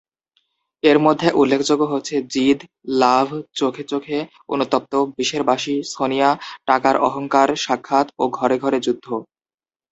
এর মধ্যে উল্লেখযোগ্য হচ্ছে ‘জিদ’, ‘লাভ’, ‘চোখে চোখে’, ‘অনুতপ্ত’, ‘বিষের বাঁশি’,‘সোনিয়া’, ‘টাকার অহংকার’, ‘সাক্ষাৎ’ ও ‘ঘরে ঘরে যুদ্ধ’।